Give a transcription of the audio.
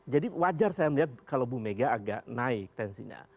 jadi wajar saya melihat kalau bumega agak naik tensinya